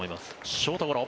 ショートゴロ。